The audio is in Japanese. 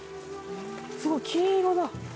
すごい金色だ！